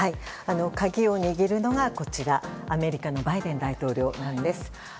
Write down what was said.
鍵を握るのがアメリカのバイデン大統領です。